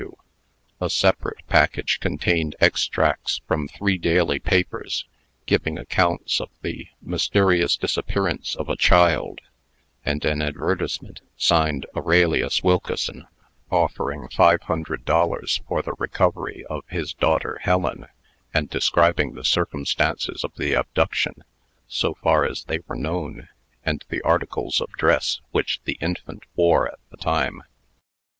W. A separate package contained extracts from three daily papers, giving accounts of the "Mysterious Disappearance of a Child," and an advertisement, signed Aurelius Wilkeson, offering five hundred dollars for the recovery of his daughter Helen, and describing the circumstances of the abduction so far as they were known, and the articles of dress which the infant wore at the time.